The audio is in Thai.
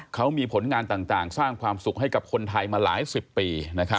เขามีผลงานต่างสร้างความสุขให้กับคนไทยมาหลายสิบปี